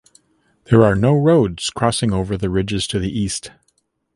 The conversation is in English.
There are no roads crossing over the ridges to the east.